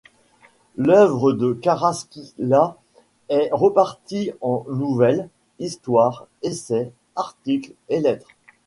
L’œuvre de Carrasquilla est répartie en nouvelles, histoires, essais, articles et lettres.